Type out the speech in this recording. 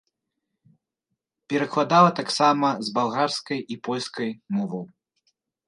Перакладала таксама з балгарскай і польскай моваў.